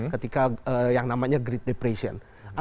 ketika yang namanya great depression